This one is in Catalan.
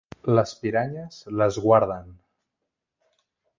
Les piranyes l'esguarden.